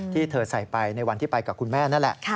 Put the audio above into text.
ที่เธอใส่ไปในวันที่ไปกับคุณแม่นั่นแหละ